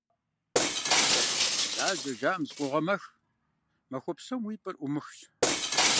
«Лажьэ» жаӀэм зыкъогъэмэх, махуэ псом уи пӀэр Ӏумыхщ.